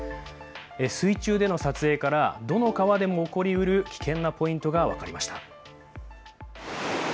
水中での撮影からどの川でも起こりうる危険なポイントが分かりました。